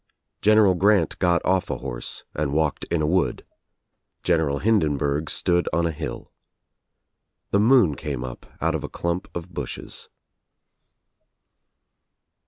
General Grant got off a horse and walked in a wood. General Hindenburg stood on a hilL The moon came up out of a dump of bushes.